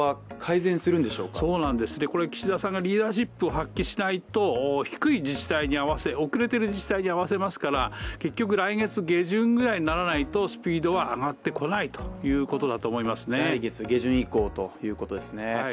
これ岸田さんがリーダーシップを発揮しないと低い自治体に合わせて遅れている自治体に合わせますから、結局来月下旬ぐらいにならないとスピードは上がってこないということだと思いますね月下旬以降ということですね